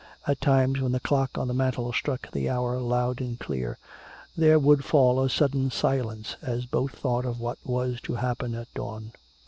At times when the clock on the mantle struck the hour loud and clear, there would fall a sudden silence, as both thought of what was to happen at dawn.